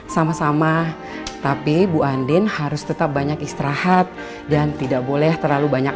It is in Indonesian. sama sama tapi bu andin harus tetap banyak istirahat dan tidak boleh terlalu banyak